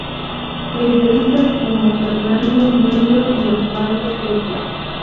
Periodistas como Fernando Niembro y Osvaldo Pepe.